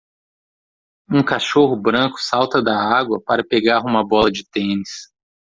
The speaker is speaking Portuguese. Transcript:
Um cachorro branco salta da água para pegar uma bola de tênis.